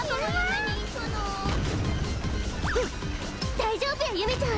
大丈夫やゆめちゃん！